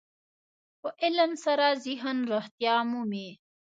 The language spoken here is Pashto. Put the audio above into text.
په علم سره ذهن روغتیا مومي.